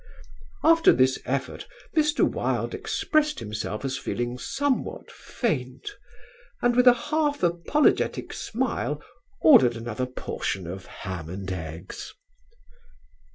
"After this effort Mr. Wilde expressed himself as feeling somewhat faint; and with a half apologetic smile ordered another portion of Ham and Eggs."